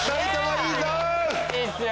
いいっすよ！